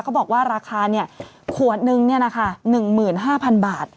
เขาบอกว่าราคานี่ขวดนึงนี่นะคะ๑๕๐๐๐บาท